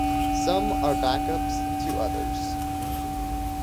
Some are backups to others.